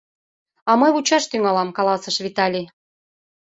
— А мый вучаш тӱҥалам, — каласыш Виталий.